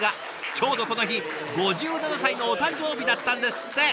ちょうどこの日５７歳のお誕生日だったんですって。